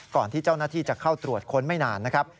ก่อนที่เจ้าหน้าที่จะเข้าตรวจค้นไม่นานนะครับ